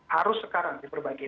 harus sekarang diperbaiki